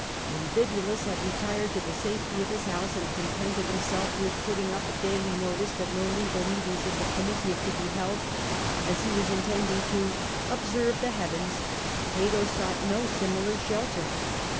When Bibulus had retired to the safety of his house, and contented himself with putting up a daily notice that no legal meetings of the Comitia could be held, as he was intending to "observe the heavens," Cato sought no similar shelter.